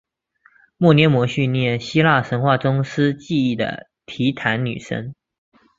谟涅摩叙涅希腊神话中司记忆的提坦女神。